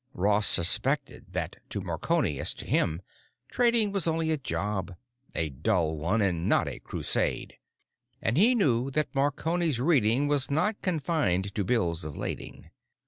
Ross suspected that, to Marconi as to him, trading was only a job—a dull one, and not a crusade. And he knew that Marconi's reading was not confined to bills of lading.